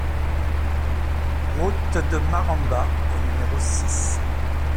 Route de Marambat au numéro six